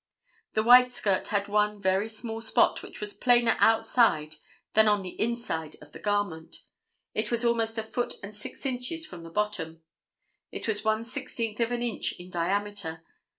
The white skirt had one very small spot, which was plainer outside than on the inside of the garment. It was almost a foot and six inches from the bottom. It was one sixteenth of an inch in diameter.